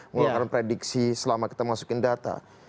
mengeluarkan prediksi selama kita masukin data